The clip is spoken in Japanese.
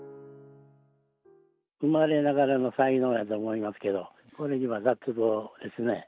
生まれながらの才能やと思いますけど、これには脱帽ですね。